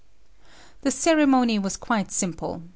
] The ceremony was quite simple.